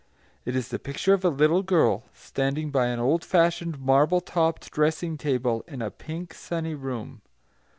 It is the picture of a little girl, standing by an old fashioned marble topped dressing table in a pink, sunny room.